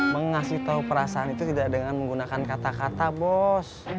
mengasih tahu perasaan itu tidak dengan menggunakan kata kata bos